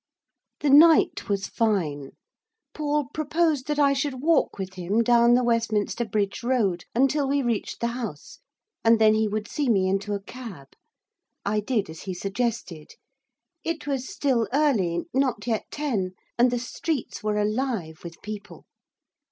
The night was fine. Paul proposed that I should walk with him down the Westminster Bridge Road, until we reached the House, and then he would see me into a cab. I did as he suggested. It was still early, not yet ten, and the streets were alive with people.